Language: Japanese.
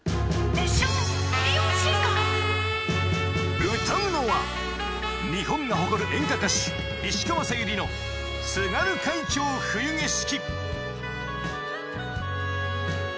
ミリオンシンガー歌うのは日本が誇る演歌歌手石川さゆりの『津軽海峡・冬景色』